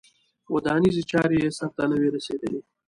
ودانیزې چارې یې سرته نه وې رسېدلې.